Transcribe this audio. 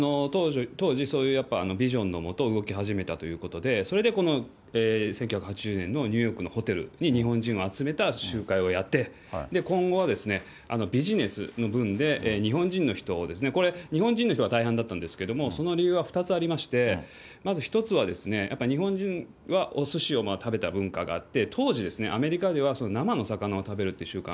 当時、そういうビジョンのもと、動き始めたということで、それでこの１９８０年のニューヨークのホテルに日本人を集めた集会をやって、今後はビジネスの部分で、日本人の人を、これ、日本人の人が大半だったんですけれども、その理由は２つありまして、まず１つは、やっぱり日本人はおスシを食べた文化があって、当時、アメリカでは生の魚を食べるという習慣